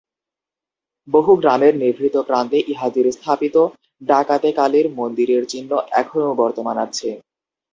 বহু গ্রামের নিভৃত প্রান্তে ইহাদের স্থাপিত ডাকাতে-কালীর মন্দিরের চিহ্ন এখনও বর্তমান আছে।